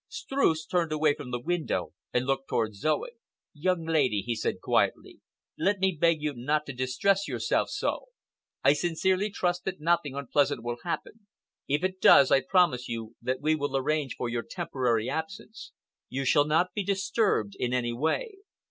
Streuss turned away from the window and looked towards Zoe. "Young lady," he said quietly, "let me beg you not to distress yourself so. I sincerely trust that nothing unpleasant will happen. If it does, I promise you that we will arrange for your temporary absence. You shall not be disturbed in any way."